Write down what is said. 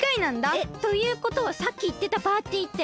えっということはさっきいってたパーティーって。